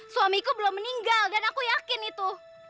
suamiku belum meninggal dan aku yakin itu